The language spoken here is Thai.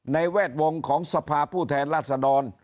แวดวงของสภาผู้แทนราษดร